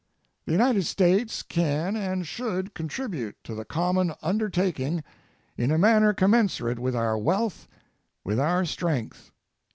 The United States can and should contribute to the common undertaking in a manner commensurate with our wealth, with our strength.